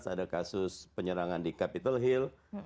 ada kasus penyerangan di capitol hill